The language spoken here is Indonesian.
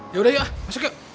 yaudah yuk masuk yuk